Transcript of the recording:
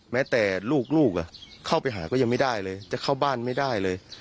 แม้แต่ลูกเข้าไปหาก็ยังไม่ได้เลยจะเข้าบ้านไม่ได้เลย